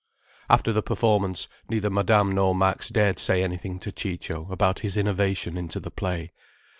After the performance, neither Madame nor Max dared say anything to Ciccio about his innovation into the play.